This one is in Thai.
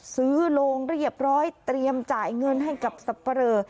โลงเรียบร้อยเตรียมจ่ายเงินให้กับสับปะเรอ